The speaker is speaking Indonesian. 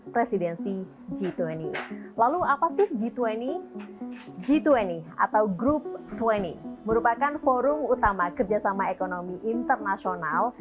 presiden widodo merupakan forum utama kerjasama ekonomi internasional